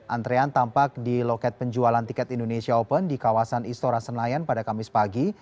antrean tampak di loket penjualan tiket indonesia open di kawasan istora senayan pada kamis pagi